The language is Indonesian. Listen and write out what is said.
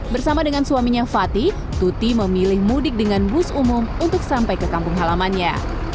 bersama dengan suaminya fatih tuti memilih mudik dengan bus umum untuk sampai ke kampung halamannya